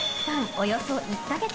およそ１か月。